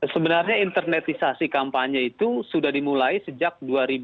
sebenarnya internetisasi kampanye itu sudah dimulai sejak dua ribu dua